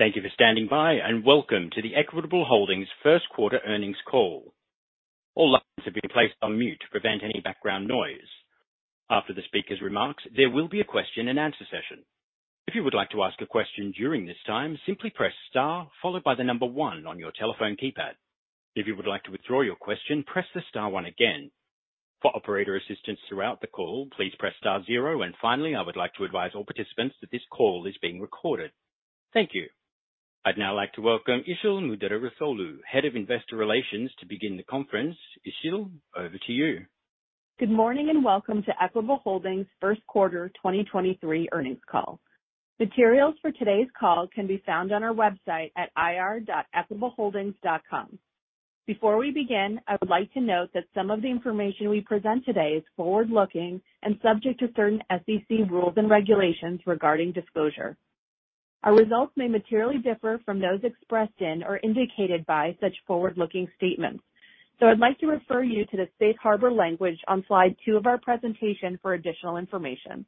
Thank you for standing by. Welcome to the Equitable Holdings First Quarter Earnings Call. All lines have been placed on mute to prevent any background noise. After the speaker's remarks, there will be a question and answer session. If you would like to ask a question during this time, simply press star followed by the number one on your telephone keypad. If you would like to withdraw your question, press the star one again. For operator assistance throughout the call, please press star zero. Finally, I would like to advise all participants that this call is being recorded. Thank you. I'd now like to welcome Işıl Müderrisoğlu, Head of Investor Relations to begin the conference. Işıl, over to you. Good morning, welcome to Equitable Holdings First Quarter 2023 Earnings Call. Materials for today's call can be found on our website at ir.equitableholdings.com. Before we begin, I would like to note that some of the information we present today is forward-looking and subject to certain SEC rules and regulations regarding disclosure. Our results may materially differ from those expressed in or indicated by such forward-looking statements. I'd like to refer you to the safe harbor language on slide 2 of our presentation for additional information.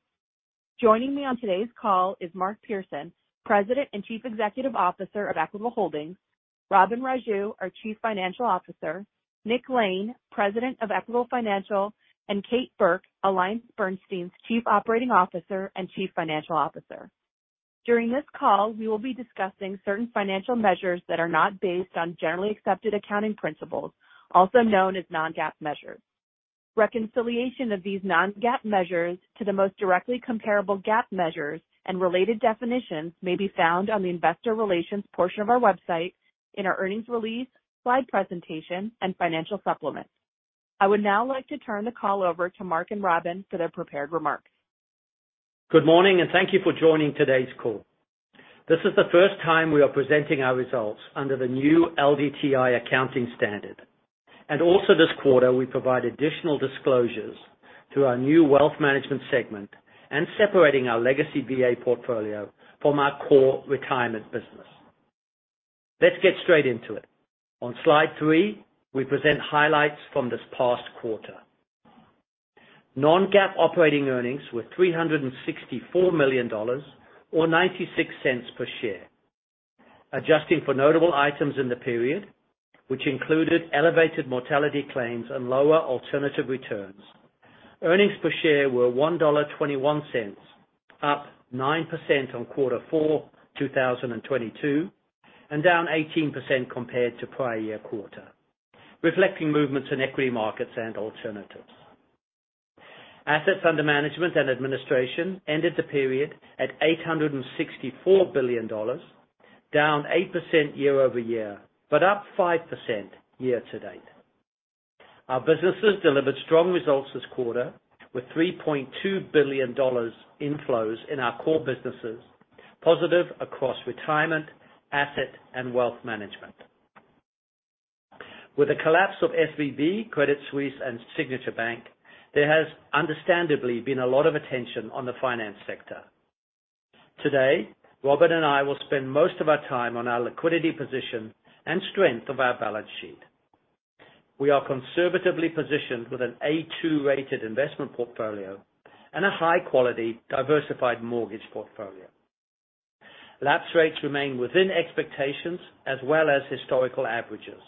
Joining me on today's call is Mark Pearson, President and Chief Executive Officer of Equitable Holdings, Robin Raju, our Chief Financial Officer, Nick Lane, President of Equitable Financial, and Kate Burke, AllianceBernstein's Chief Operating Officer and Chief Financial Officer. During this call, we will be discussing certain financial measures that are not based on generally accepted accounting principles, also known as non-GAAP measures. Reconciliation of these non-GAAP measures to the most directly comparable GAAP measures and related definitions may be found on the investor relations portion of our website in our earnings release, slide presentation, and financial supplements. I would now like to turn the call over to Mark and Robin for their prepared remarks. Good morning, thank you for joining today's call. This is the first time we are presenting our results under the new LDTI accounting standard. Also this quarter, we provide additional disclosures to our new wealth management segment and separating our legacy VA portfolio from our core retirement business. Let's get straight into it. On slide 3, we present highlights from this past quarter. Non-GAAP operating earnings were $364 million or $0.96 per share. Adjusting for notable items in the period, which included elevated mortality claims and lower alternative returns. Earnings per share were $1.21, up 9% on Q4 2022, and down 18% compared to prior year quarter, reflecting movements in equity markets and alternatives. Assets under management and administration ended the period at $864 billion, down 8% year-over-year, up 5% year-to-date. Our businesses delivered strong results this quarter with $3.2 billion inflows in our core businesses, positive across retirement, asset, and wealth management. With the collapse of SVB, Credit Suisse, and Signature Bank, there has understandably been a lot of attention on the finance sector. Today, Robin and I will spend most of our time on our liquidity position and strength of our balance sheet. We are conservatively positioned with an A2-rated investment portfolio and a high-quality diversified mortgage portfolio. Lapse rates remain within expectations as well as historical averages,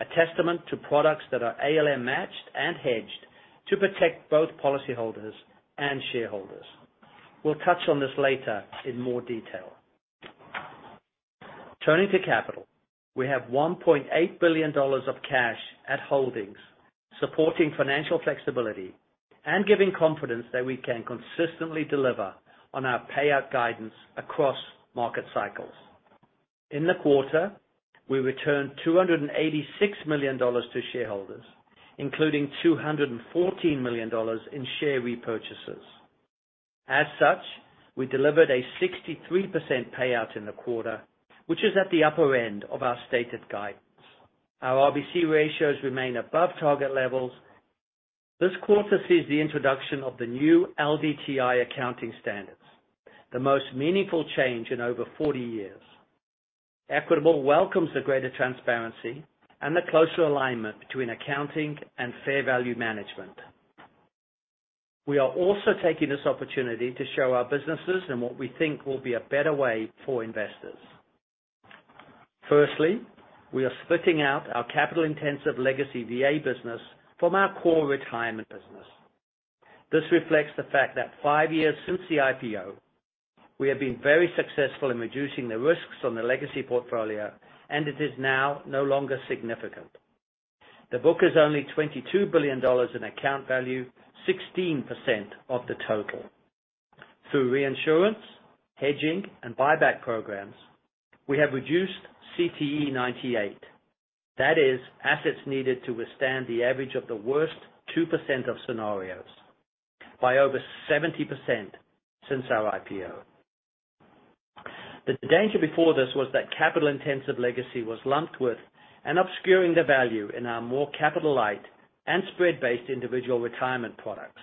a testament to products that are ALM matched and hedged to protect both policyholders and shareholders. We'll touch on this later in more detail. Turning to capital. We have $1.8 billion of cash at Holdings, supporting financial flexibility and giving confidence that we can consistently deliver on our payout guidance across market cycles. In the quarter, we returned $286 million to shareholders, including $214 million in share repurchases. We delivered a 63% payout in the quarter, which is at the upper end of our stated guidance. Our RBC ratios remain above target levels. This quarter sees the introduction of the new LDTI accounting standards, the most meaningful change in over 40 years. Equitable welcomes the greater transparency and the closer alignment between accounting and fair value management. We are also taking this opportunity to show our businesses in what we think will be a better way for investors. We are splitting out our capital-intensive legacy VA business from our core retirement business. This reflects the fact that five years since the IPO, we have been very successful in reducing the risks on the legacy portfolio. It is now no longer significant. The book is only $22 billion in account value, 16% of the total. Through reinsurance, hedging, and buyback programs, we have reduced CTE98, that is, assets needed to withstand the average of the worst 2% of scenarios by over 70% since our IPO. The danger before this was that capital-intensive legacy was lumped with and obscuring the value in our more capital-light and spread-based individual retirement products.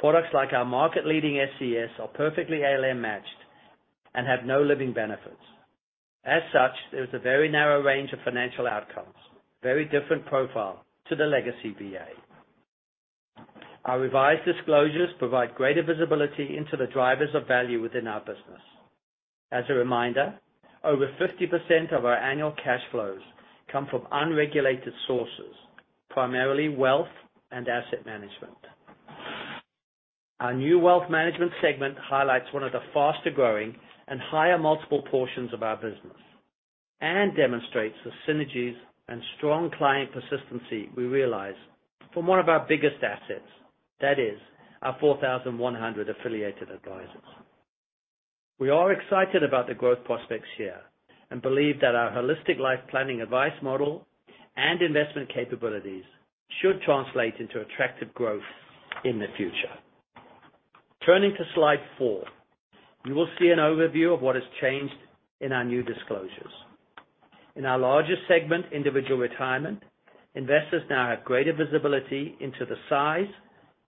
Products like our market-leading SCS are perfectly ALM matched and have no living benefits. There is a very narrow range of financial outcomes, very different profile to the legacy VA. Our revised disclosures provide greater visibility into the drivers of value within our business. As a reminder, over 50% of our annual cash flows come from unregulated sources, primarily wealth and asset management. Our new wealth management segment highlights one of the faster-growing and higher multiple portions of our business, and demonstrates the synergies and strong client persistency we realize from one of our biggest assets, that is our 4,100 affiliated advisors. We are excited about the growth prospects here, and believe that our holistic life planning advice model and investment capabilities should translate into attractive growth in the future. Turning to slide 4, you will see an overview of what has changed in our new disclosures. In our largest segment, individual retirement, investors now have greater visibility into the size,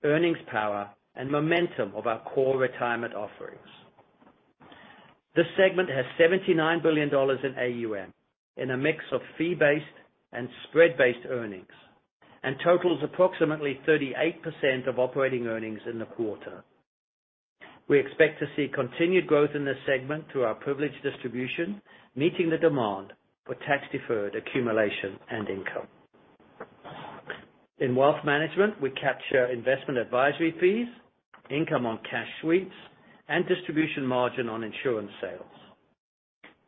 earnings power, and momentum of our core retirement offerings. This segment has $79 billion in AUM in a mix of fee-based and spread-based earnings, totals approximately 38% of operating earnings in the quarter. We expect to see continued growth in this segment through our privileged distribution, meeting the demand for tax-deferred accumulation and income. In wealth management, we capture investment advisory fees, income on cash sweeps, and distribution margin on insurance sales.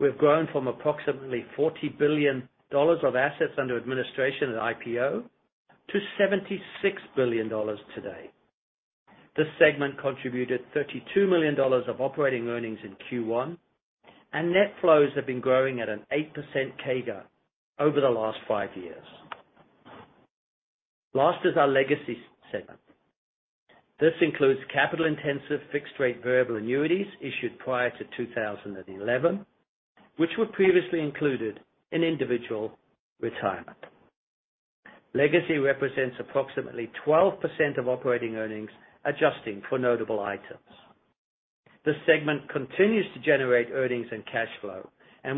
We have grown from approximately $40 billion of assets under administration at IPO to $76 billion today. This segment contributed $32 million of operating earnings in Q1, net flows have been growing at an 8% CAGR over the last 5 years. Last is our legacy segment. This includes capital-intensive fixed-rate variable annuities issued prior to 2011, which were previously included in individual retirement. Legacy represents approximately 12% of operating earnings, adjusting for notable items. This segment continues to generate earnings and cash flow.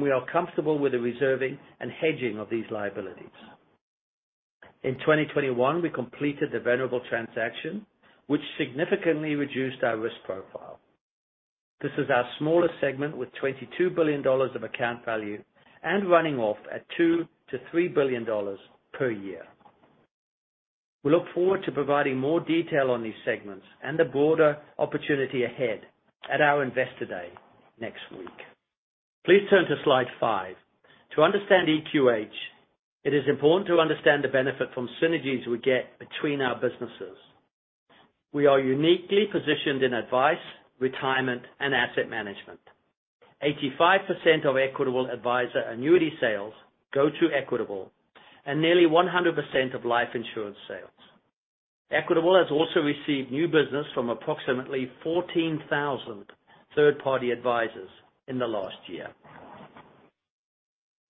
We are comfortable with the reserving and hedging of these liabilities. In 2021, we completed the Venerable transaction, which significantly reduced our risk profile. This is our smallest segment with $22 billion of account value and running off at $2 billion-$3 billion per year. We look forward to providing more detail on these segments and the broader opportunity ahead at our investor day next week. Please turn to slide 5. To understand EQH, it is important to understand the benefit from synergies we get between our businesses. We are uniquely positioned in advice, retirement, and asset management. 85% of Equitable Advisors annuity sales go to Equitable. Nearly 100% of life insurance sales. Equitable has also received new business from approximately 14,000 third-party advisors in the last year.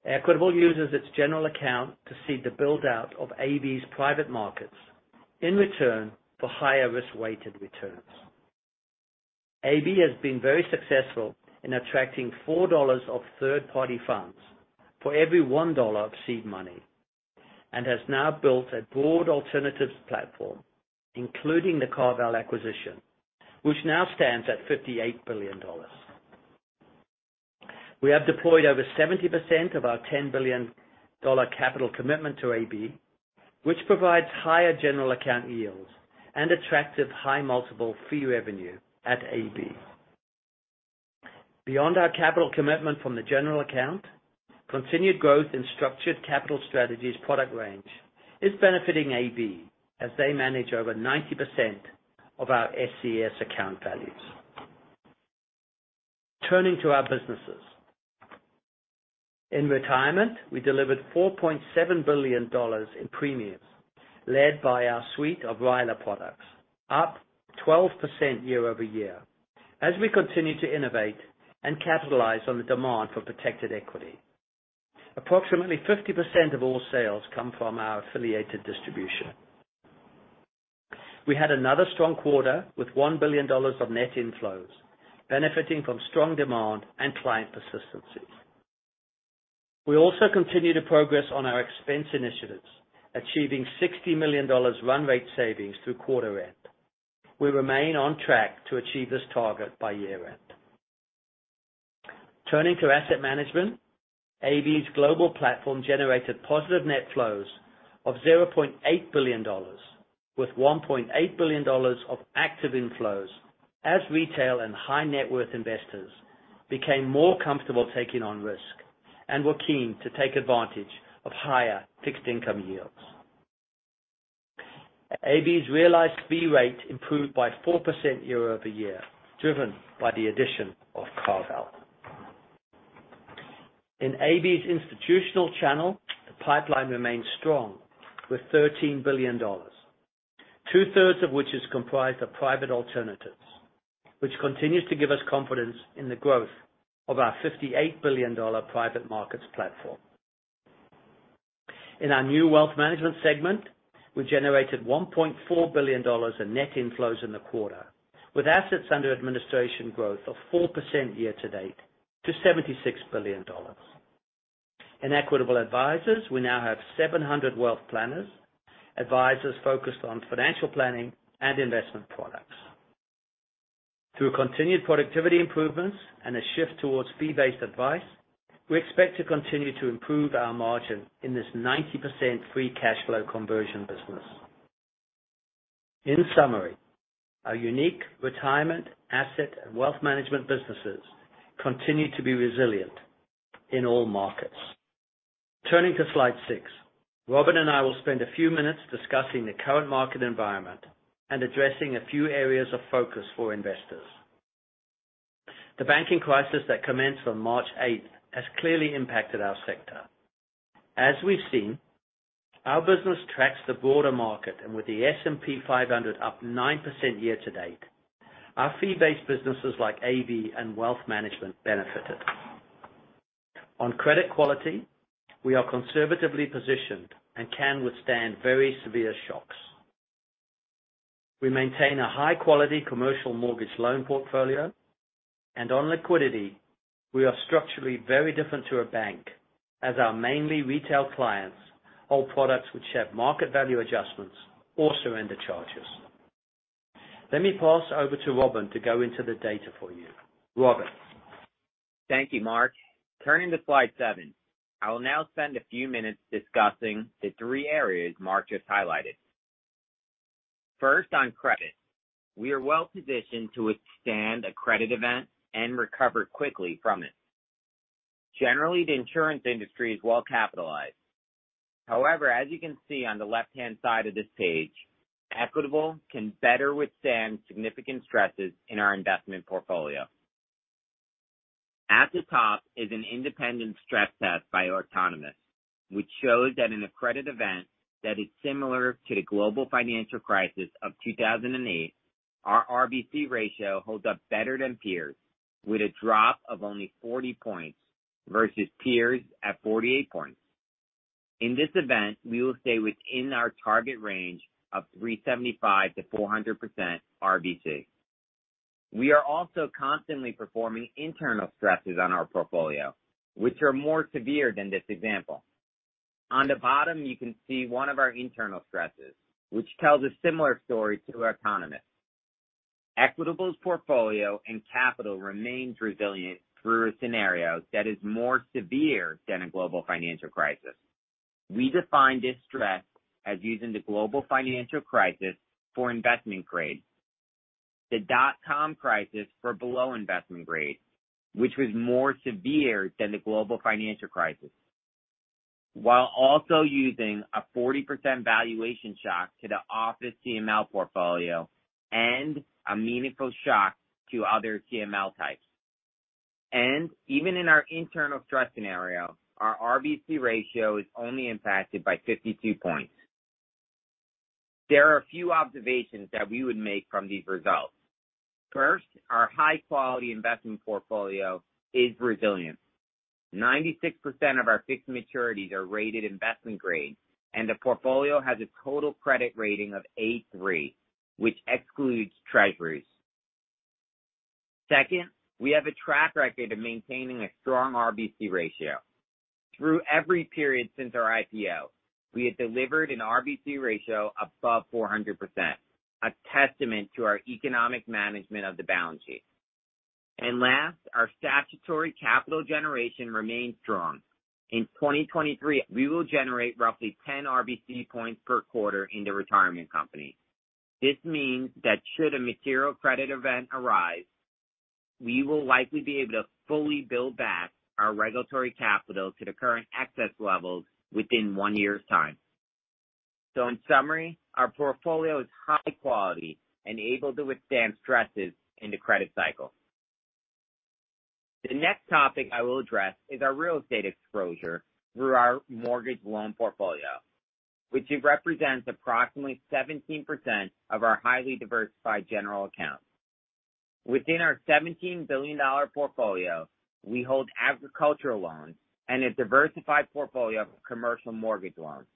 Equitable uses its general account to seed the build-out of AB's private markets in return for higher risk-weighted returns. AB has been very successful in attracting $4 of third-party funds for every $1 of seed money, and has now built a broad alternatives platform, including the CarVal acquisition, which now stands at $58 billion. We have deployed over 70% of our $10 billion capital commitment to AB, which provides higher general account yields and attractive high multiple fee revenue at AB. Beyond our capital commitment from the general account, continued growth in Structured Capital Strategies product range is benefiting AB as they manage over 90% of our SCS account values. Turning to our businesses. In retirement, we delivered $4.7 billion in premiums led by our suite of RILA products, up 12% year-over-year as we continue to innovate and capitalize on the demand for protected equity. Approximately 50% of all sales come from our affiliated distribution. We had another strong quarter with $1 billion of net inflows, benefiting from strong demand and client persistency. We also continue to progress on our expense initiatives, achieving $60 million run rate savings through quarter end. We remain on track to achieve this target by year end. Turning to asset management, AB's global platform generated positive net flows of $0.8 billion with $1.8 billion of active inflows as retail and high net worth investors became more comfortable taking on risk and were keen to take advantage of higher fixed income yields. AB's realized fee rate improved by 4% year-over-year, driven by the addition of CarVal. In AB's institutional channel, the pipeline remains strong with $13 billion, 2/3 of which is comprised of private alternatives, which continues to give us confidence in the growth of our $58 billion private markets platform. In our new wealth management segment, we generated $1.4 billion in net inflows in the quarter, with assets under administration growth of 4% year-to-date to $76 billion. In Equitable Advisors, we now have 700 wealth planners, advisors focused on financial planning and investment products. Through continued productivity improvements and a shift towards fee-based advice, we expect to continue to improve our margin in this 90% free cash flow conversion business. In summary, our unique retirement asset and wealth management businesses continue to be resilient in all markets. Turning to slide 6. Robin and I will spend a few minutes discussing the current market environment and addressing a few areas of focus for investors. The banking crisis that commenced on March 8th has clearly impacted our sector. As we've seen, our business tracks the broader market, and with the S&P 500 up 9% year-to-date, our fee-based businesses like AB and Wealth Management benefited. On credit quality, we are conservatively positioned and can withstand very severe shocks. We maintain a high-quality commercial mortgage loan portfolio, and on liquidity, we are structurally very different to a bank as our mainly retail clients hold products which have market value adjustments or surrender charges. Let me pass over to Robin to go into the data for you. Robin? Thank you, Mark. Turning to slide 7. I will now spend a few minutes discussing the 3 areas Mark just highlighted. First, on credit. We are well positioned to withstand a credit event and recover quickly from it. Generally, the insurance industry is well capitalized. As you can see on the left-hand side of this page, Equitable can better withstand significant stresses in our investment portfolio. At the top is an independent stress test by our economist, which shows that in a credit event that is similar to the global financial crisis of 2008, our RBC ratio holds up better than peers with a drop of only 40 points versus peers at 48 points. In this event, we will stay within our target range of 375%-400% RBC. We are also constantly performing internal stresses on our portfolio which are more severe than this example. On the bottom, you can see one of our internal stresses, which tells a similar story to our economist. Equitable's portfolio and capital remains resilient through a scenario that is more severe than a global financial crisis. We define this stress as using the global financial crisis for investment grade, the dot-com crisis for below investment grade, which was more severe than the global financial crisis, while also using a 40% valuation shock to the office CML portfolio and a meaningful shock to other CML types. Even in our internal stress scenario, our RBC ratio is only impacted by 52 points. There are a few observations that we would make from these results. First, our high-quality investment portfolio is resilient. 96% of our fixed maturities are rated investment-grade. The portfolio has a total credit rating of A3, which excludes Treasuries. Second, we have a track record of maintaining a strong RBC ratio. Through every period since our IPO, we have delivered an RBC ratio above 400%, a testament to our economic management of the balance sheet. Last, our statutory capital generation remains strong. In 2023, we will generate roughly 10 RBC points per quarter in the retirement company. This means that should a material credit event arise, we will likely be able to fully build back our regulatory capital to the current excess levels within 1 year's time. In summary, our portfolio is high quality and able to withstand stresses in the credit cycle. The next topic I will address is our real estate exposure through our mortgage loan portfolio, which it represents approximately 17% of our highly diversified general account. Within our $17 billion portfolio, we hold agricultural loans and a diversified portfolio of commercial mortgage loans,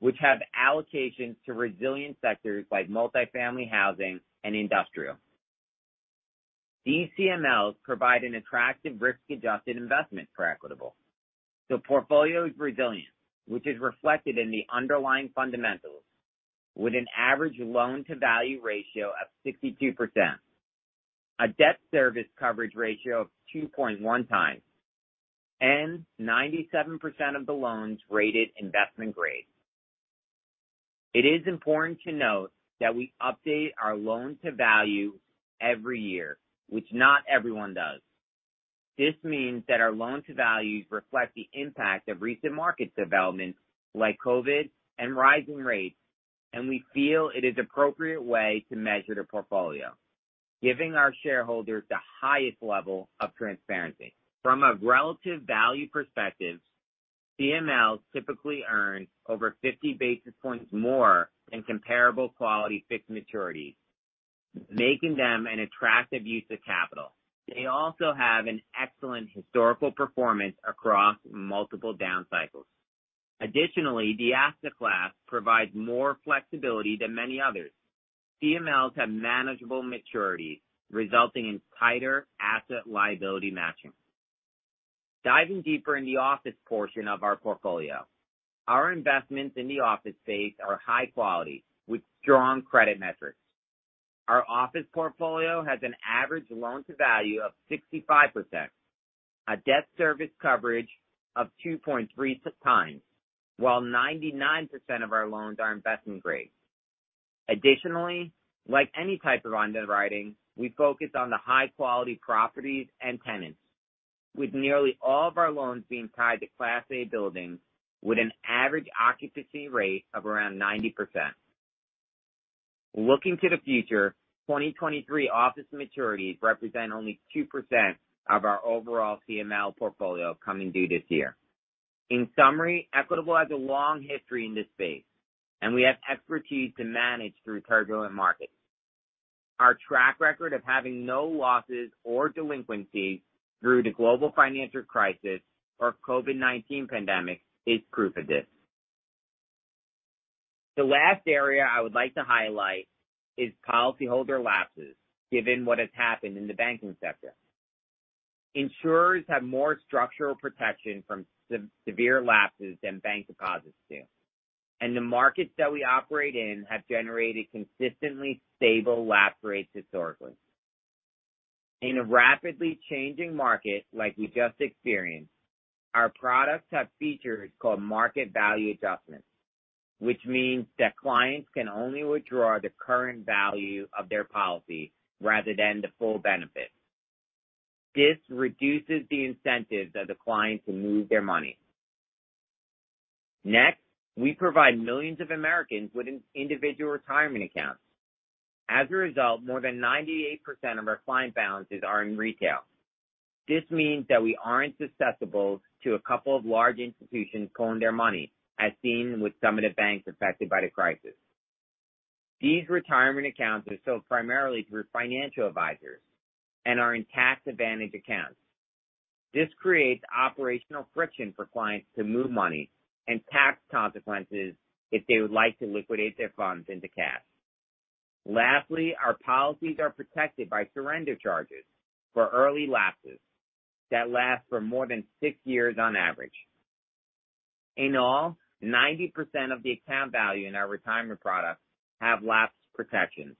which have allocations to resilient sectors like multi-family housing and industrial. These CMLs provide an attractive risk-adjusted investment for Equitable. The portfolio is resilient, which is reflected in the underlying fundamentals with an average loan-to-value ratio of 62%, a debt service coverage ratio of 2.1 times, and 97% of the loans rated investment grade. It is important to note that we update our loan-to-value every year, which not everyone does. This means that our loan-to-values reflect the impact of recent market developments like COVID and rising rates, and we feel it is appropriate way to measure the portfolio, giving our shareholders the highest level of transparency. From a relative value perspective, CMLs typically earn over 50 basis points more in comparable quality fixed maturities, making them an attractive use of capital. They also have an excellent historical performance across multiple downside. Additionally, the asset class provides more flexibility than many others. CMLs have manageable maturities, resulting in tighter asset liability matching. Diving deeper in the office portion of our portfolio, our investments in the office space are high quality with strong credit metrics. Our office portfolio has an average loan to value of 65%, a debt service coverage of 2.3 times, while 99% of our loans are investment grade. Additionally, like any type of underwriting, we focus on the high quality properties and tenants, with nearly all of our loans being tied to Class A buildings with an average occupancy rate of around 90%. Looking to the future, 2023 office maturities represent only 2% of our overall CML portfolio coming due this year. In summary, Equitable has a long history in this space, and we have expertise to manage through turbulent markets. Our track record of having no losses or delinquencies through the global financial crisis or COVID-19 pandemic is proof of this. The last area I would like to highlight is policyholder lapses, given what has happened in the banking sector. Insurers have more structural protection from severe lapses than bank deposits do, and the markets that we operate in have generated consistently stable lapse rates historically. In a rapidly changing market like we just experienced, our products have features called market value adjustments, which means that clients can only withdraw the current value of their policy rather than the full benefit. This reduces the incentive of the client to move their money. Next, we provide millions of Americans with an individual retirement account. As a result, more than 98% of our client balances are in retail. This means that we aren't susceptible to a couple of large institutions pulling their money, as seen with some of the banks affected by the crisis. These retirement accounts are sold primarily through financial advisors and are in tax advantage accounts. This creates operational friction for clients to move money and tax consequences if they would like to liquidate their funds into cash. Lastly, our policies are protected by surrender charges for early lapses that last for more than 6 years on average. In all, 90% of the account value in our retirement products have lapse protections.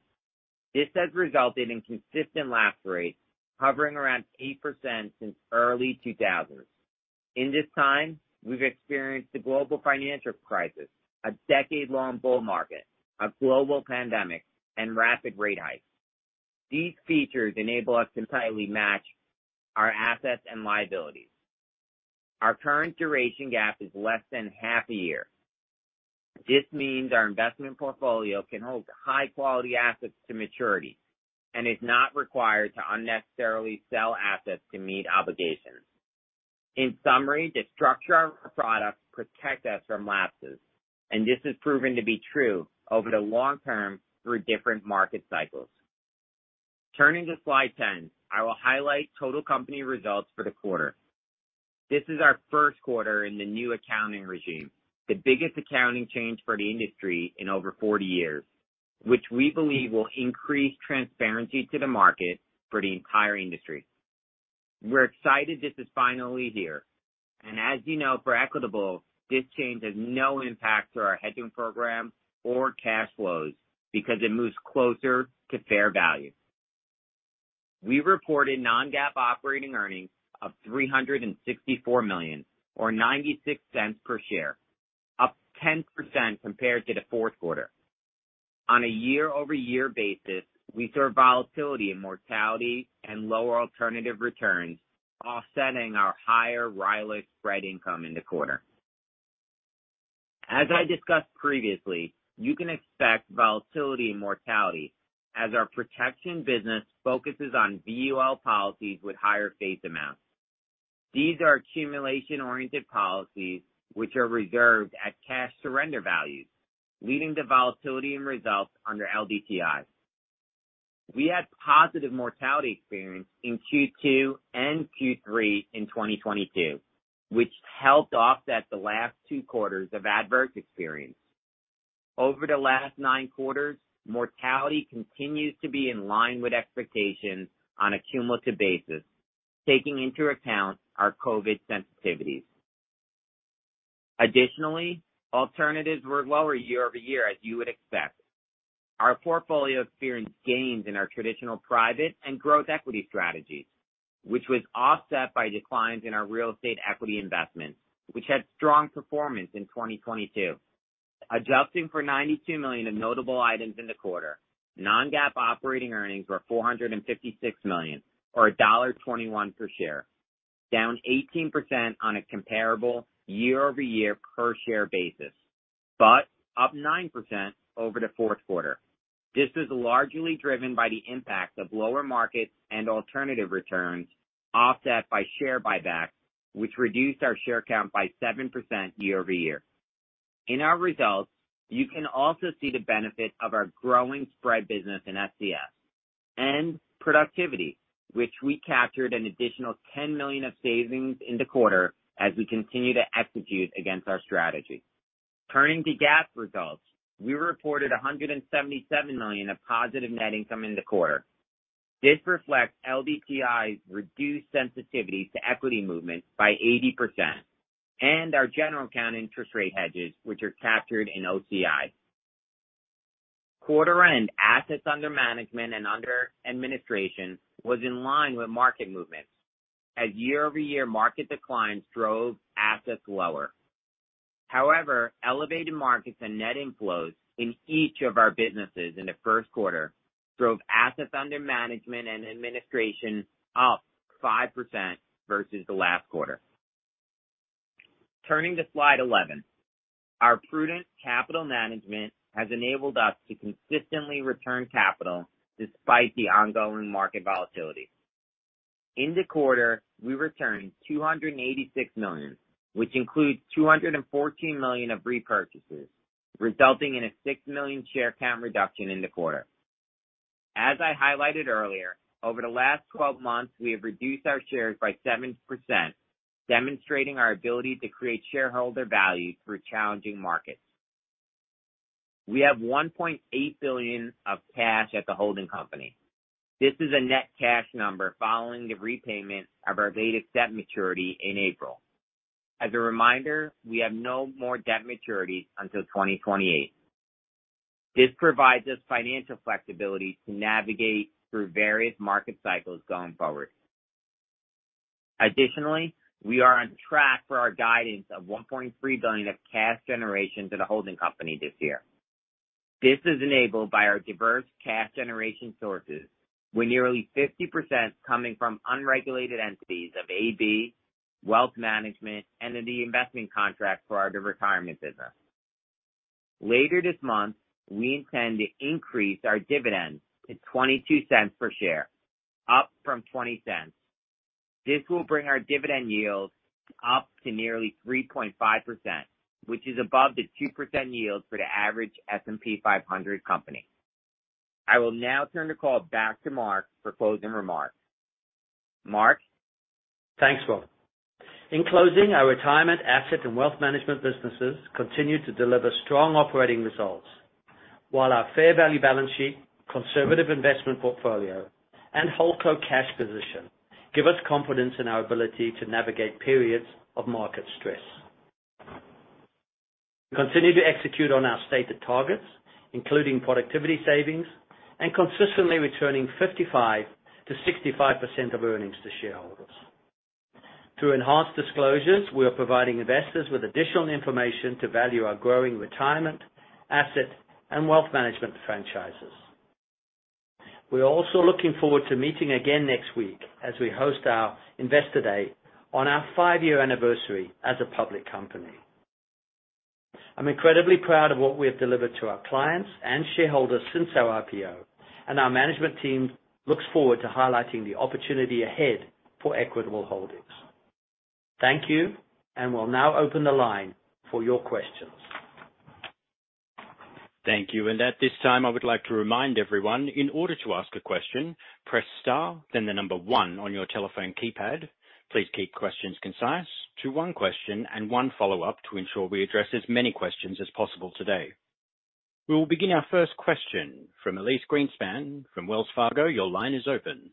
This has resulted in consistent lapse rates hovering around 8% since early 2000s. In this time, we've experienced the global financial crisis, a decade-long bull market, a global pandemic, and rapid rate hikes. These features enable us to tightly match our assets and liabilities. Our current duration gap is less than half a year. This means our investment portfolio can hold high quality assets to maturity and is not required to unnecessarily sell assets to meet obligations. In summary, the structure of our products protect us from lapses, and this has proven to be true over the long term through different market cycles. Turning to slide 10, I will highlight total company results for the quarter. This is our first quarter in the new accounting regime, the biggest accounting change for the industry in over 40 years, which we believe will increase transparency to the market for the entire industry. We're excited this is finally here, and as you know, for Equitable, this change has no impact to our hedging program or cash flows because it moves closer to fair value. We reported non-GAAP operating earnings of $364 million or $0.96 per share, up 10% compared to the fourth quarter. On a year-over-year basis, we saw volatility in mortality and lower alternative returns, offsetting our higher RILA spread income in the quarter. As I discussed previously, you can expect volatility in mortality as our protection business focuses on VUL policies with higher face amounts. These are accumulation-oriented policies which are reserved at cash surrender values, leading to volatility and results under LDTI. We had positive mortality experience in Q2 and Q3 in 2022, which helped offset the last two quarters of adverse experience. Over the last 9 quarters, mortality continues to be in line with expectations on a cumulative basis, taking into account our COVID sensitivities. Alternatives were lower year-over-year, as you would expect. Our portfolio experienced gains in our traditional private and growth equity strategies, which was offset by declines in our real estate equity investments, which had strong performance in 2022. Adjusting for $92 million in notable items in the quarter, non-GAAP operating earnings were $456 million or $1.21 per share, down 18% on a comparable year-over-year per share basis, but up 9% over the fourth quarter. This was largely driven by the impact of lower markets and alternative returns offset by share buybacks, which reduced our share count by 7% year-over-year. In our results, you can also see the benefit of our growing spread business in SCS and productivity, which we captured an additional $10 million of savings in the quarter as we continue to execute against our strategy. Turning to GAAP results, we reported $177 million of positive net income in the quarter. This reflects LDTI's reduced sensitivity to equity movements by 80% and our general account interest rate hedges, which are captured in OCI. Quarter-end assets under management and under administration was in line with market movements as year-over-year market declines drove assets lower. Elevated markets and net inflows in each of our businesses in the first quarter drove assets under management and administration up 5% versus the last quarter. Turning to slide 11. Our prudent capital management has enabled us to consistently return capital despite the ongoing market volatility. In the quarter, we returned $286 million, which includes $214 million of repurchases, resulting in a 6 million share count reduction in the quarter. As I highlighted earlier, over the last 12 months, we have reduced our shares by 7%, demonstrating our ability to create shareholder value through challenging markets. We have $1.8 billion of cash at the holding company. This is a net cash number following the repayment of our beta debt maturity in April. As a reminder, we have no more debt maturity until 2028. This provides us financial flexibility to navigate through various market cycles going forward. Additionally, we are on track for our guidance of $1.3 billion of cash generation to the holding company this year. This is enabled by our diverse cash generation sources, with nearly 50% coming from unregulated entities of AB, wealth management, and the investment contract for our retirement business. Later this month, we intend to increase our dividend to $0.22 per share, up from $0.20. This will bring our dividend yield up to nearly 3.5%, which is above the 2% yield for the average S&P 500 company. I will now turn the call back to Mark for closing remarks. Mark? Thanks, Robin. In closing, our retirement asset and wealth management businesses continue to deliver strong operating results. While our fair value balance sheet, conservative investment portfolio, and holdco cash position give us confidence in our ability to navigate periods of market stress. We continue to execute on our stated targets, including productivity savings and consistently returning 55%-65% of earnings to shareholders. Through enhanced disclosures, we are providing investors with additional information to value our growing retirement, asset, and wealth management franchises. We are also looking forward to meeting again next week as we host our investor day on our five-year anniversary as a public company. I'm incredibly proud of what we have delivered to our clients and shareholders since our IPO, and our management team looks forward to highlighting the opportunity ahead for Equitable Holdings. Thank you, and we'll now open the line for your questions. Thank you. At this time, I would like to remind everyone, in order to ask a question, press star, then 1 on your telephone keypad. Please keep questions concise to 1 question and 1 follow-up to ensure we address as many questions as possible today. We will begin our first question from Elyse Greenspan from Wells Fargo. Your line is open.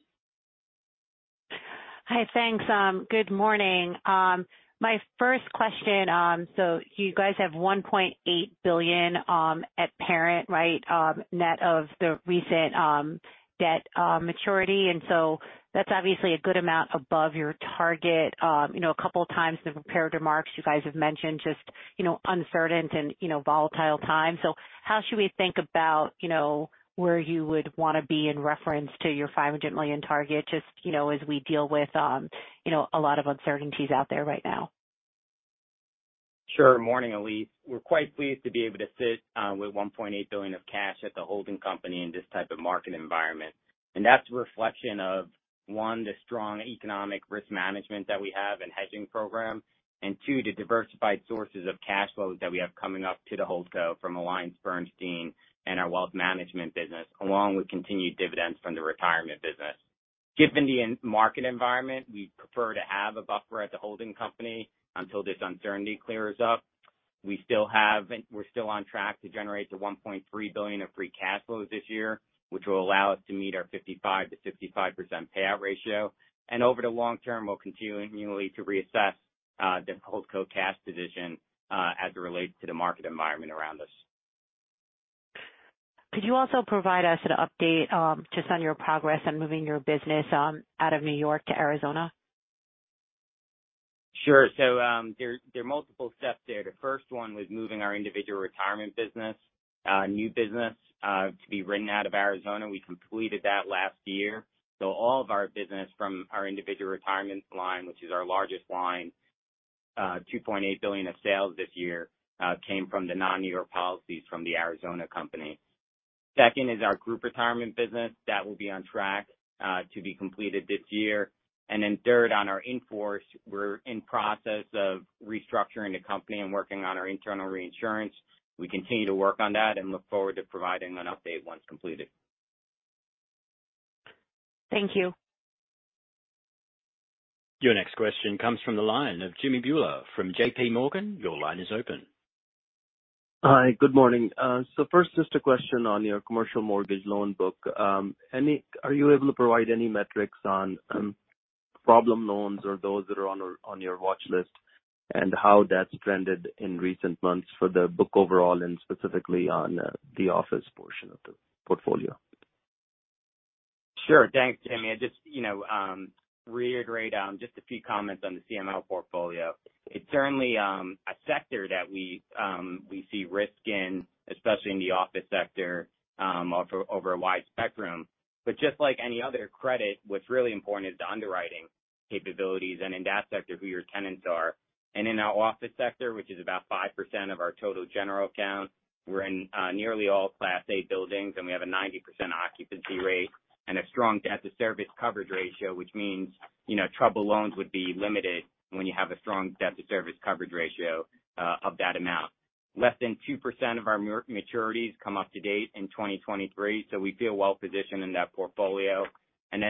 Hi. Thanks. Good morning. My first question, you guys have $1.8 billion at parent, right? net of the recent debt maturity. That's obviously a good amount above your target. You know, a couple of times in the prepared remarks, you guys have mentioned just, you know, uncertain and, you know, volatile times. How should we think about, you know, where you would want to be in reference to your $500 million target, just, you know, as we deal with, you know, a lot of uncertainties out there right now? Sure. Morning, Elyse. We're quite pleased to be able to sit with $1.8 billion of cash at the holding company in this type of market environment. That's a reflection of, one, the strong economic risk management that we have in hedging program. Two, the diversified sources of cash flow that we have coming up to the holdco from AllianceBernstein and our wealth management business, along with continued dividends from the retirement business. Given the market environment, we prefer to have a buffer at the holding company until this uncertainty clears up. We're still on track to generate the $1.3 billion of free cash flows this year, which will allow us to meet our 55%-65% payout ratio. Over the long term, we'll continue annually to reassess the holdco cash position as it relates to the market environment around us. Could you also provide us an update, just on your progress on moving your business, out of New York to Arizona? Sure. There are multiple steps there. The first one was moving our individual retirement business, new business, to be written out of Arizona. We completed that last year. All of our business from our individual retirement line, which is our largest line, $2.8 billion of sales this year, came from the non-New York policies from the Arizona company. Second is our group retirement business that will be on track to be completed this year. Third on our in-force, we're in process of restructuring the company and working on our internal reinsurance. We continue to work on that and look forward to providing an update once completed. Thank you. Your next question comes from the line of Jimmy Bhullar from J.P. Morgan. Your line is open. Hi. Good morning. First just a question on your commercial mortgage loan book. Are you able to provide any metrics on problem loans or those that are on your watch list and how that's trended in recent months for the book overall and specifically on the office portion of the portfolio? Sure. Thanks, Jimmy. I just, you know, reiterate, just a few comments on the CML portfolio. It's certainly a sector that we see risk in, especially in the office sector, over a wide spectrum. Just like any other credit, what's really important is the underwriting capabilities and in that sector, who your tenants are. In our office sector, which is about 5% of our total general account, we're in nearly all Class A buildings, and we have a 90% occupancy rate and a strong debt to service coverage ratio, which means, you know, trouble loans would be limited when you have a strong debt to service coverage ratio of that amount. Less than 2% of our maturities come up to date in 2023, we feel well positioned in that portfolio.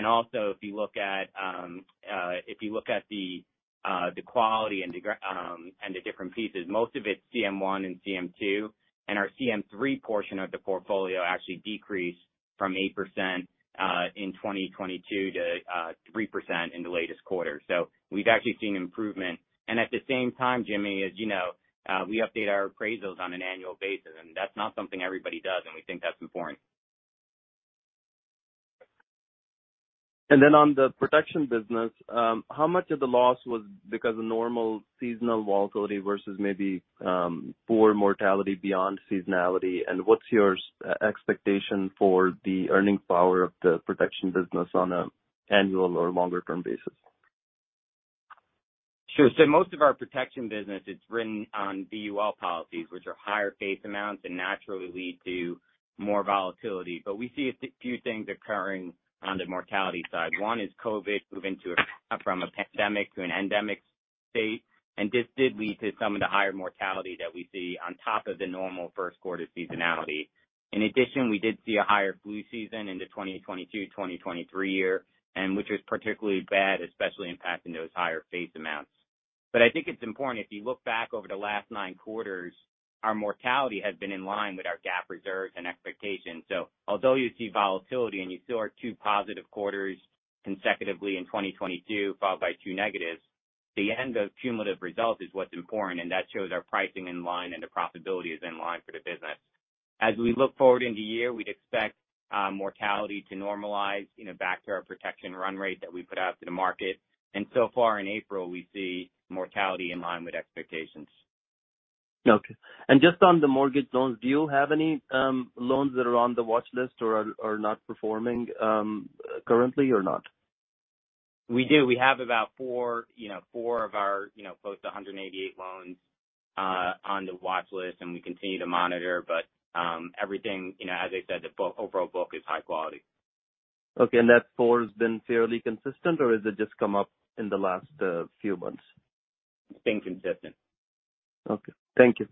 Also if you look at, if you look at the quality and the different pieces, most of it's CM1 and CM2, and our CM3 portion of the portfolio actually decreased from 8% in 2022 to 3% in the latest quarter. We've actually seen improvement. At the same time, Jimmy, as you know, we update our appraisals on an annual basis, and that's not something everybody does, and we think that's important. Then on the protection business, how much of the loss was because of normal seasonal volatility versus maybe, poor mortality beyond seasonality? What's your expectation for the earning power of the protection business on an annual or longer term basis? Most of our protection business is written on VUL policies, which are higher face amounts and naturally lead to more volatility. We see a few things occurring on the mortality side. One is COVID moving from a pandemic to an endemic state, and this did lead to some of the higher mortality that we see on top of the normal first quarter seasonality. In addition, we did see a higher flu season in the 2022/2023 year, which was particularly bad, especially impacting those higher face amounts. I think it's important if you look back over the last 9 quarters, our mortality has been in line with our GAAP reserves and expectations. Although you see volatility and you saw our two positive quarters consecutively in 2022, followed by 2 negatives, the end of cumulative results is what's important, and that shows our pricing in line and the profitability is in line for the business. As we look forward in the year, we'd expect mortality to normalize, you know, back to our protection run rate that we put out to the market. So far in April, we see mortality in line with expectations. Okay. Just on the mortgage loans, do you have any loans that are on the watch list or are not performing, currently or not? We do. We have about four, you know, four of our, you know, close to 188 loans on the watch list, and we continue to monitor. Everything, you know, as I said, the overall book is high quality. Okay. That four has been fairly consistent or has it just come up in the last few months? It's been consistent. Okay. Thank you.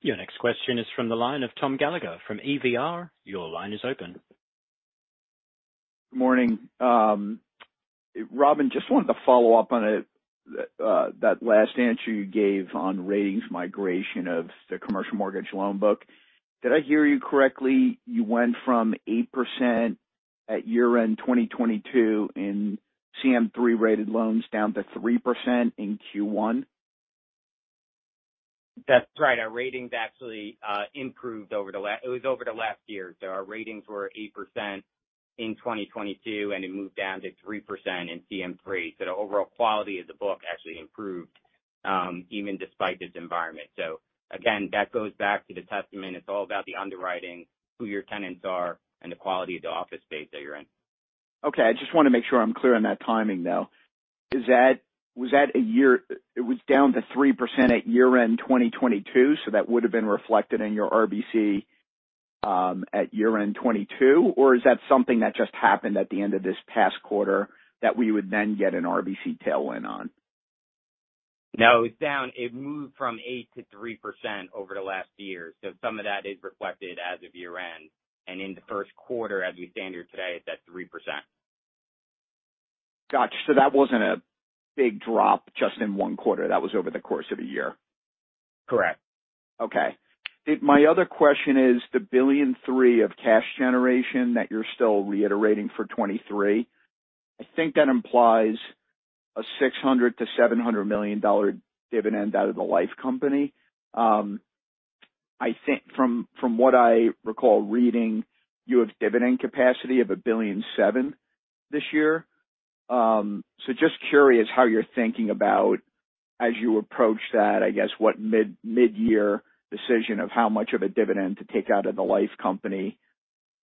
Your next question is from the line of Tom Gallagher from Evercore. Your line is open. Morning. Robin, just wanted to follow up on that last answer you gave on ratings migration of the commercial mortgage loan book. Did I hear you correctly, you went from 8% at year-end 2022 in CM3-rated loans down to 3% in Q1? That's right. Our ratings actually improved over the last year. Our ratings were 8% in 2022, and it moved down to 3% in CM3. The overall quality of the book actually improved even despite this environment. Again, that goes back to the testament. It's all about the underwriting, who your tenants are, and the quality of the office space that you're in. Okay. I just want to make sure I'm clear on that timing, though. It was down to 3% at year-end 2022, so that would have been reflected in your RBC at year-end 22? Is that something that just happened at the end of this past quarter that we would then get an RBC tailwind on? No, it's down. It moved from 8% -3% over the last year, so some of that is reflected as of year-end. In the first quarter, as we stand here today, it's at 3%. Got you. That wasn't a big drop just in 1 quarter. That was over the course of a year. Correct. My other question is the $1.3 billion of cash generation that you're still reiterating for 2023, I think that implies a $600 million-$700 million dividend out of the life company. I think from what I recall reading, you have dividend capacity of $1.7 billion this year. Just curious how you're thinking about as you approach that, I guess, what mid-year decision of how much of a dividend to take out of the life company.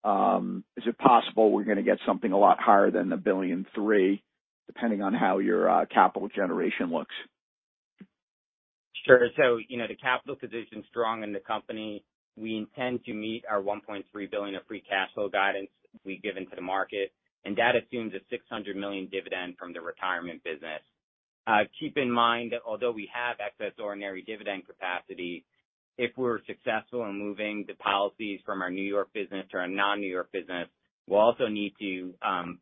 Is it possible we're going to get something a lot higher than the $1.3 billion, depending on how your capital generation looks? Sure. You know, the capital position is strong in the company. We intend to meet our $1.3 billion of free cash flow guidance we've given to the market. That assumes a $600 million dividend from the retirement business. Keep in mind, although we have excess ordinary dividend capacity, if we're successful in moving the policies from our New York business to our non-New York business, we'll also need to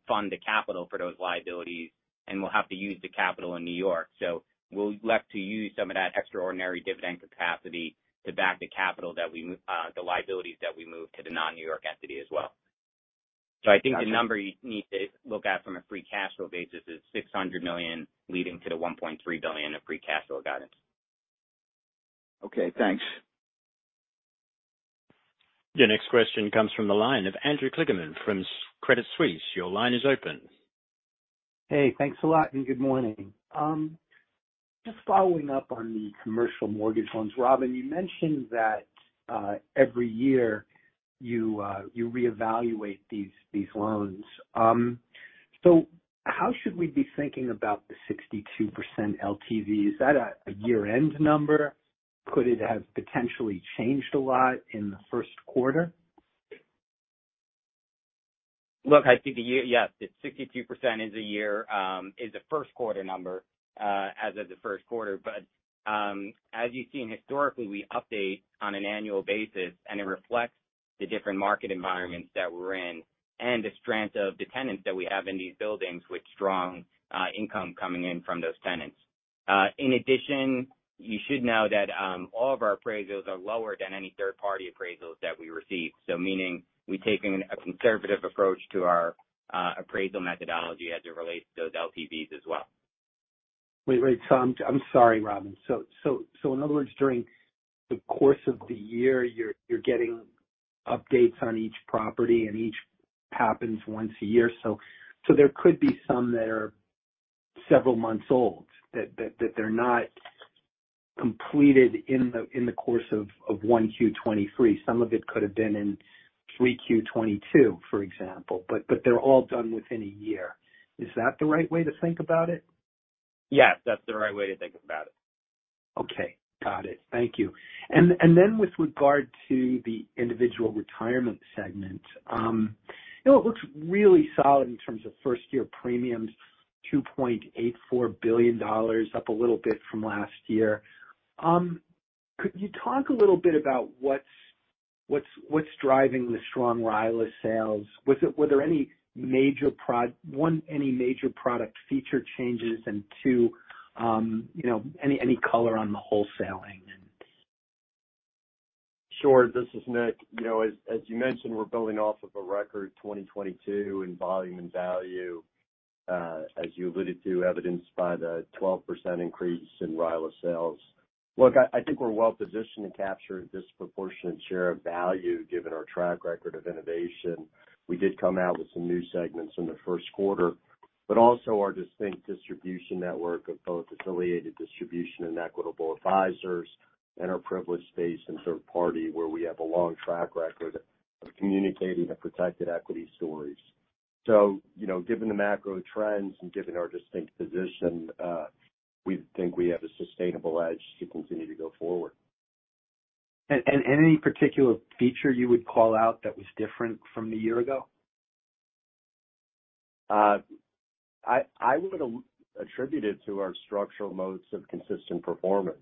fund the capital for those liabilities. We'll have to use the capital in New York. We'll elect to use some of that extraordinary dividend capacity to back the capital that we, the liabilities that we move to the non-New York entity as well. I think the number you need to look at from a free cash flow basis is $600 million leading to the $1.3 billion of free cash flow guidance. Okay, thanks. Your next question comes from the line of Andrew Kligerman from Credit Suisse. Your line is open. Hey, thanks a lot, and good morning. Just following up on the commercial mortgage loans. Robin, you mentioned that every year you reevaluate these loans. So how should we be thinking about the 62% LTV? Is that a year-end number? Could it have potentially changed a lot in the first quarter? Look, I think the year, yes, the 62% is a year, is a first quarter number, as of the first quarter. As you've seen historically, we update on an annual basis, and it reflects the different market environments that we're in and the strength of the tenants that we have in these buildings with strong income coming in from those tenants. In addition, you should know that all of our appraisals are lower than any third-party appraisals that we receive. Meaning we take a conservative approach to our appraisal methodology as it relates to those LTVs as well. Wait, wait. I'm sorry, Robin. In other words, during the course of the year, you're getting updates on each property and each happens once a year. There could be some that are several months old that they're not completed in the course of 1 Q 2023. Some of it could have been in Q3 2022, for example, but they're all done within a year. Is that the right way to think about it? Yes, that's the right way to think about it. Okay, got it. Thank you. Then with regard to the individual retirement segment, you know, it looks really solid in terms of first-year premiums, $2.84 billion, up a little bit from last year. Could you talk a little bit about what's driving the strong RILA sales? One, any major product feature changes, Two, you know, any color on the wholesaling and... Sure. This is Nick. You know, as you mentioned, we're building off of a record 2022 in volume and value, as you alluded to, evidenced by the 12% increase in RILA sales. Look, I think we're well positioned to capture a disproportionate share of value given our track record of innovation. We did come out with some new segments in the first quarter, but also our distinct distribution network of both affiliated distribution and Equitable Advisors and our privileged space in third party, where we have a long track record of communicating the protected equity stories. You know, given the macro trends and given our distinct position, we think we have a sustainable edge to continue to go forward. Any particular feature you would call out that was different from a year ago? I would attribute it to our structural modes of consistent performance.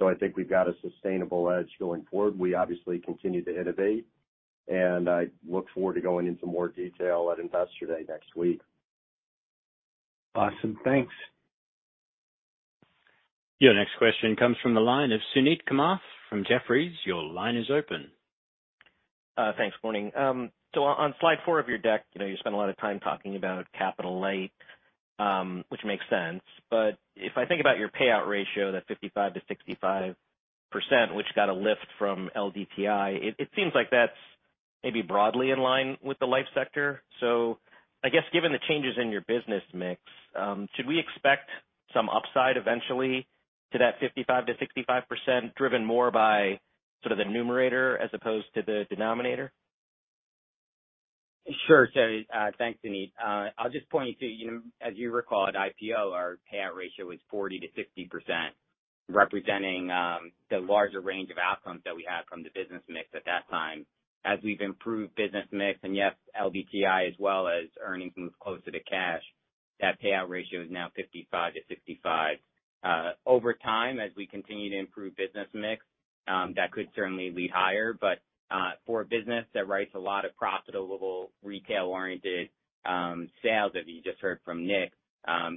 I think we've got a sustainable edge going forward. We obviously continue to innovate. I look forward to going into more detail at Investor Day next week. Awesome. Thanks. Your next question comes from the line of Suneet Kamath from Jefferies. Your line is open. Thanks. Morning. On slide 4 of your deck, you know, you spend a lot of time talking about capital light, which makes sense. If I think about your payout ratio, that 55%-65%, which got a lift from LDTI, it seems like that's maybe broadly in line with the life sector. I guess given the changes in your business mix, should we expect some upside eventually to that 55%-65%, driven more by sort of the numerator as opposed to the denominator? Sure. Thanks, Suneet. I'll just point you to, you know, as you recall, at IPO, our payout ratio was 40%-60%, representing the larger range of outcomes that we had from the business mix at that time. As we've improved business mix and yes, LDTI as well as earnings moves closer to cash, that payout ratio is now 55%-65%. Over time, as we continue to improve business mix, that could certainly be higher. For a business that writes a lot of profitable retail-oriented sales, as you just heard from Nick,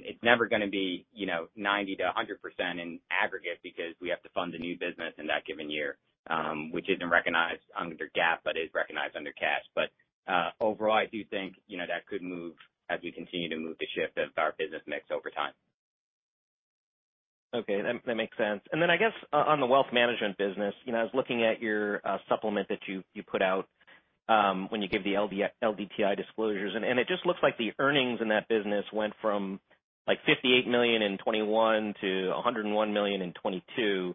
it's never gonna be, you know, 90%-100% in aggregate because we have to fund the new business in that given year, which isn't recognized under GAAP but is recognized under cash. Overall, I do think, you know, that could move as we continue to move the shift of our business mix over time. Okay, that makes sense. Then I guess on the wealth management business, you know, I was looking at your supplement that you put out when you give the LDTI disclosures, and it just looks like the earnings in that business went from, like, $58 million in 2021 to $101 million in 2022.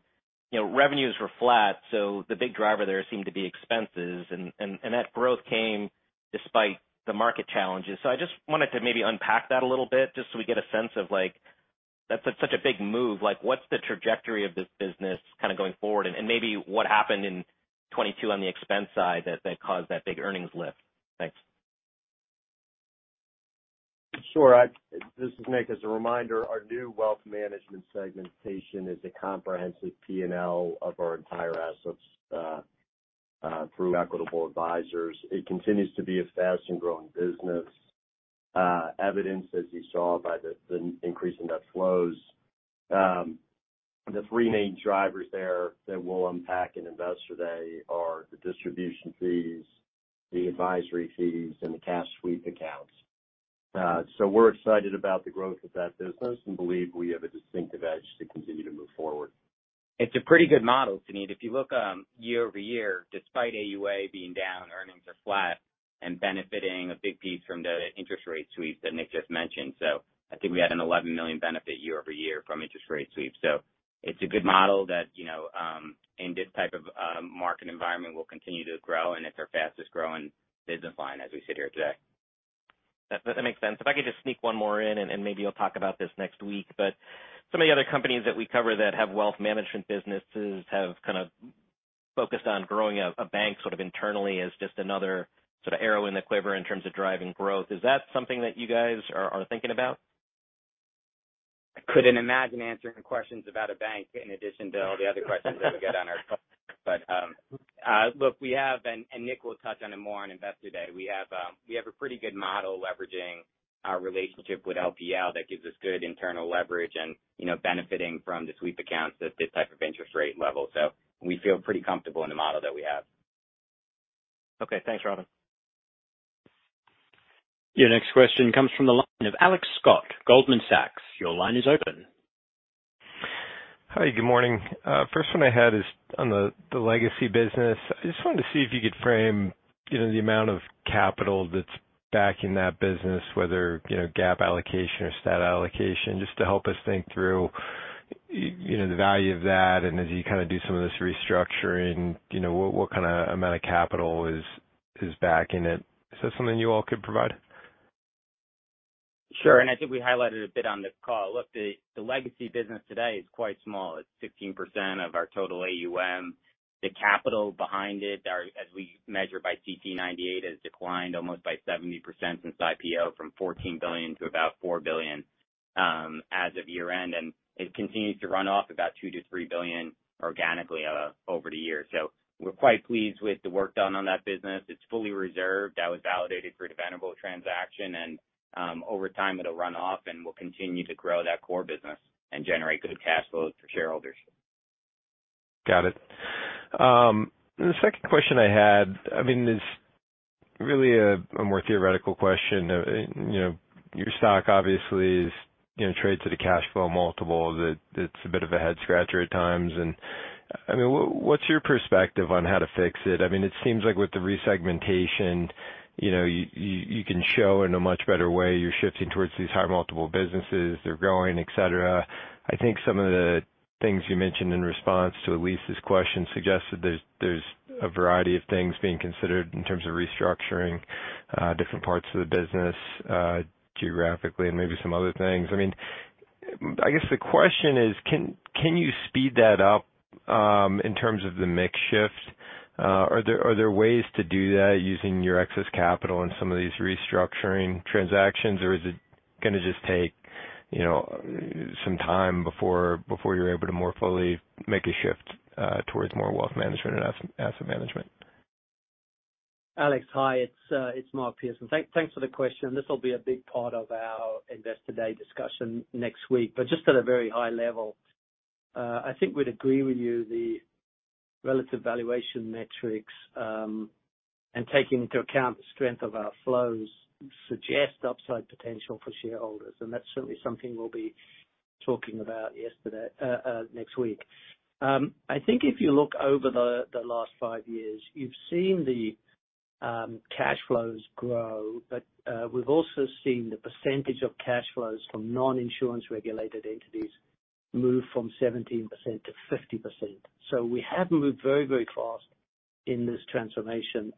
You know, revenues were flat, so the big driver there seemed to be expenses and that growth came despite the market challenges. I just wanted to maybe unpack that a little bit just so we get a sense of like that's such a big move. Like what's the trajectory of this business kind of going forward and maybe what happened in 2022 on the expense side that caused that big earnings lift. Thanks. Sure. This is Nick. As a reminder, our new wealth management segmentation is a comprehensive PNL of our entire assets through Equitable Advisors. It continues to be a fast and growing business, evidenced as you saw by the increase in net flows. The three main drivers there that we'll unpack in Investor Day are the distribution fees, the advisory fees, and the cash sweep accounts. We're excited about the growth of that business and believe we have a distinctive edge to continue to move forward. It's a pretty good model, Suneet. If you look, year-over-year, despite AUA being down, earnings are flat and benefiting a big piece from the interest rate sweep that Nick just mentioned. I think we had an $11 million benefit year-over-year from interest rate sweep. It's a good model that, you know, in this type of market environment will continue to grow, and it's our fastest growing business line as we sit here today. That makes sense. If I could just sneak one more in. Maybe you'll talk about this next week. Some of the other companies that we cover that have wealth management businesses have kind of focused on growing a bank sort of internally as just another sort of arrow in the quiver in terms of driving growth. Is that something that you guys are thinking about? I couldn't imagine answering questions about a bank in addition to all the other questions that we get on our call. Look, we have, and Nick will touch on it more on Investor Day. We have a pretty good model leveraging our relationship with LPL that gives us good internal leverage and, you know, benefiting from the sweep accounts at this type of interest rate level. We feel pretty comfortable in the model that we have. Okay. Thanks, Robin. Your next question comes from the line of Alex Scott, Goldman Sachs. Your line is open. Hi, good morning. First one I had is on the legacy business. I just wanted to see if you could frame, you know, the amount of capital that's backing that business, whether, you know, GAAP allocation or stat allocation, just to help us think through, you know, the value of that. As you kind of do some of this restructuring, you know, what kinda amount of capital is backing it? Is that something you all could provide? Sure. I think we highlighted a bit on the call. Look, the legacy business today is quite small. It's 16% of our total AUM. The capital behind it are, as we measure by CTE98, has declined almost by 70% since IPO from $14 billion to about $4 billion as of year-end. It continues to run off about $2 billion-$3 billion organically over the years. We're quite pleased with the work done on that business. It's fully reserved. That was validated through the Venerable transaction. Over time, it'll run off, and we'll continue to grow that core business and generate good cash flows for shareholders. Got it. The second question I had, I mean, is really a more theoretical question. You know, your stock obviously is, you know, trades at a cash flow multiple that it's a bit of a head scratcher at times. I mean, what's your perspective on how to fix it? I mean, it seems like with the resegmentation, you know, you can show in a much better way you're shifting towards these high multiple businesses, they're growing, et cetera. I think some of the things you mentioned in response to Elyse's question suggested there's a variety of things being considered in terms of restructuring different parts of the business geographically and maybe some other things. I mean, I guess the question is can you speed that up in terms of the mix shift? Are there ways to do that using your excess capital in some of these restructuring transactions? Or is it gonna just take, you know, some time before you're able to more fully make a shift towards more wealth management and asset management? Alex, hi. It's Mark Pearson. Thanks for the question. This will be a big part of our Investor Day discussion next week. Just at a very high level, I think we'd agree with you the relative valuation metrics, and taking into account the strength of our flows suggest upside potential for shareholders, and that's certainly something we'll be talking about next week. I think if you look over the last five years, you've seen the cash flows grow, but we've also seen the percentage of cash flows from non-insurance regulated entities move from 17%-50%. We have moved very, very fast in this transformation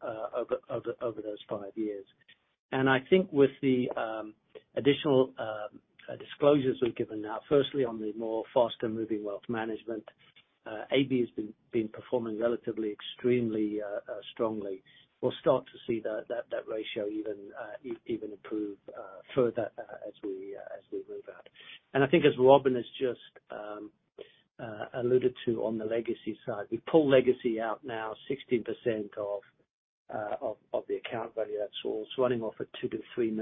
over those five years. I think with the additional disclosures we've given now, firstly on the more faster moving wealth management, AB has been performing relatively extremely strongly. We'll start to see that ratio even improve further as we move out. I think as Robin has just alluded to on the legacy side, we pull legacy out now 16% of the account value. That's all. It's running off at $2 million-$3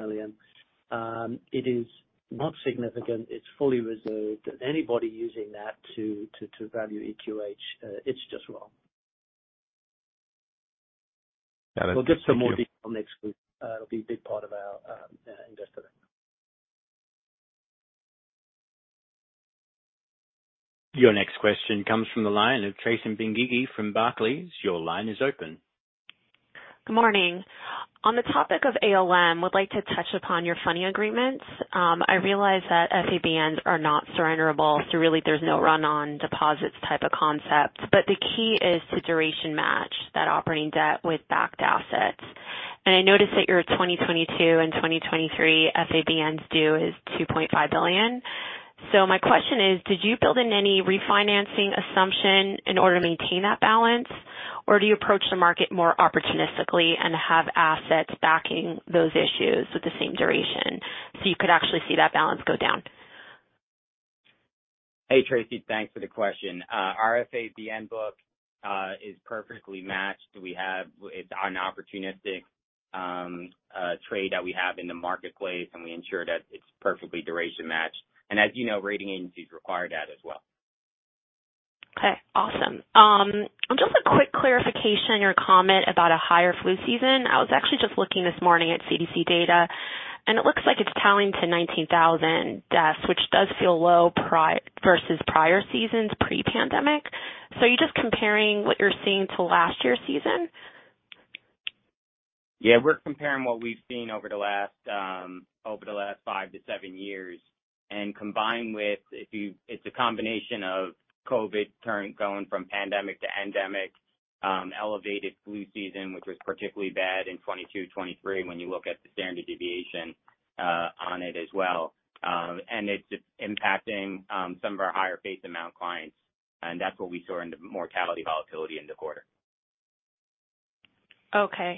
million. It is not significant. It's fully reserved. Anybody using that to value EQH, it's just wrong. Got it. Thank you. We'll give some more detail next week. It'll be a big part of our Investor Day. Your next question comes from the line of Tracy Benguigui from Barclays. Your line is open. Good morning. On the topic of ALM, would like to touch upon your funding agreements. I realize that FABNs are not surrenderable, really there's no run-on deposits type of concept. The key is to duration match that operating debt with backed assets. I noticed that your 2022 and 2023 FABNs due is $2.5 billion. My question is, did you build in any refinancing assumption in order to maintain that balance? Or do you approach the market more opportunistically and have assets backing those issues with the same duration, so you could actually see that balance go down? Hey, Tracy, thanks for the question. Our FABN book is perfectly matched. It's an opportunistic trade that we have in the marketplace, and we ensure that it's perfectly duration matched. As you know, rating agencies require that as well. Okay, awesome. Just a quick clarification or comment about a higher flu season. I was actually just looking this morning at CDC data, and it looks like it's tallying to 19,000 deaths, which does feel low versus prior seasons pre-pandemic. You're just comparing what you're seeing to last year's season? Yeah, we're comparing what we've seen over the last, over the last 5 to 7 years. Combined with it's a combination of COVID going from pandemic to endemic, elevated flu season, which was particularly bad in 2022, 2023, when you look at the standard deviation on it as well. It's impacting some of our higher base amount clients, and that's where we saw in the mortality volatility in the quarter. Okay.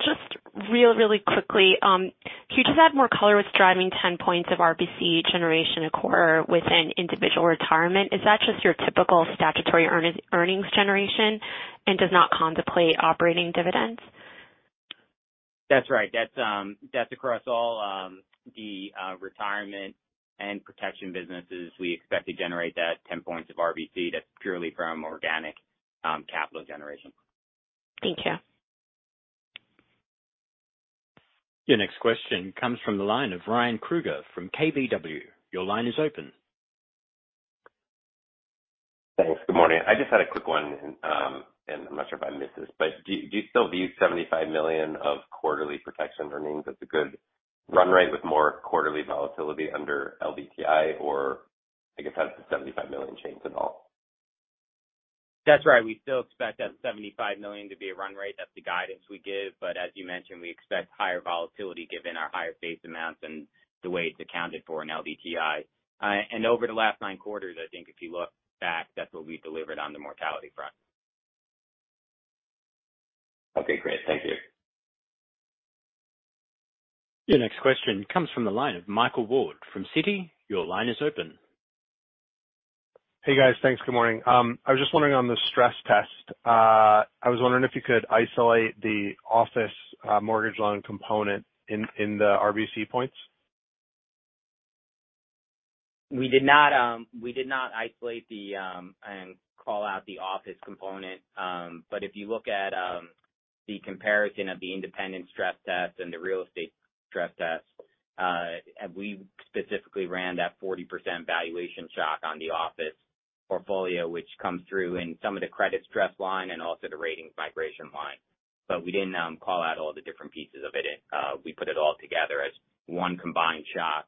Just really quickly, can you just add more color what's driving 10 points of RBC generation a quarter within individual retirement? Is that just your typical statutory earnings generation and does not contemplate operating dividends? That's right. That's across all the retirement and protection businesses. We expect to generate that 10 points of RBC. That's purely from organic capital generation. Thank you. Your next question comes from the line of Ryan Krueger from KBW. Your line is open. Thanks. Good morning. I just had a quick one. I'm not sure if I missed this, but do you still view $75 million of quarterly protection earnings as a good run rate with more quarterly volatility under LDTI? Or I guess has the $75 million changed at all? That's right. We still expect that $75 million to be a run rate. That's the guidance we give. As you mentioned, we expect higher volatility given our higher base amounts and the way it's accounted for in LDTI. Over the last 9 quarters, I think if you look back, that's what we've delivered on the mortality front. Okay, great. Thank you. Your next question comes from the line of Michael Ward from Citi. Your line is open. Hey, guys. Thanks. Good morning. I was just wondering on the stress test. I was wondering if you could isolate the office, mortgage loan component in the RBC points. We did not, we did not isolate the, and call out the office component. If you look at the comparison of the independent stress test and the real estate stress test, we specifically ran that 40% valuation shock on the office portfolio, which comes through in some of the credit stress line and also the ratings migration line. We didn't call out all the different pieces of it. We put it all together as one combined shock,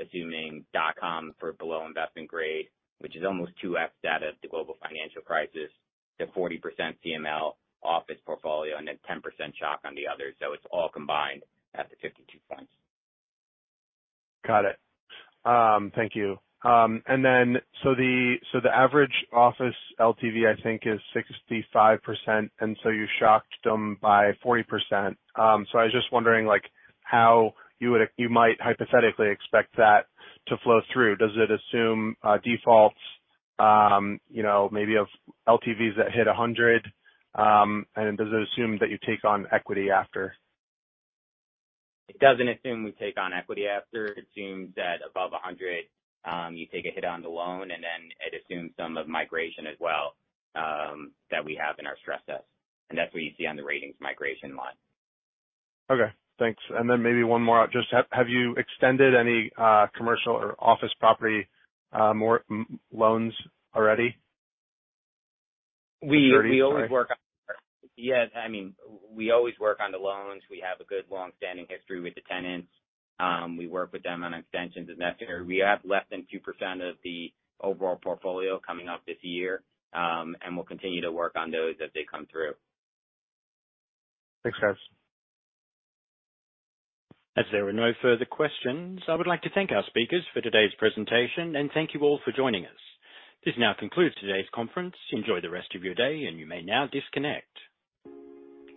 assuming dotcom for below investment grade, which is almost 2x data to global financial crisis, the 40% CML office portfolio and then 10% shock on the other. It's all combined at the 52 points. Got it. Thank you. The average office LTV, I think, is 65%, and you shocked them by 40%. Like, how you might hypothetically expect that to flow through. Does it assume, defaults, you know, maybe of LTVs that hit 100? Does it assume that you take on equity after? It doesn't assume we take on equity after. It assumes that above 100, you take a hit on the loan, and then it assumes some of migration as well, that we have in our stress test. That's what you see on the ratings migration line. Okay, thanks. Then maybe one more. Just have you extended any commercial or office property loans already? Maturity, right? Yes. I mean, we always work on the loans. We have a good long-standing history with the tenants. We work with them on extensions as necessary. We have less than 2% of the overall portfolio coming up this year, and we'll continue to work on those as they come through. Thanks, guys. As there are no further questions, I would like to thank our speakers for today's presentation and thank you all for joining us. This now concludes today's conference. Enjoy the rest of your day, and you may now disconnect.